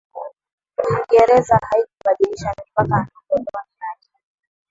uingereza haikubadilisha mipaka ya makoloni yake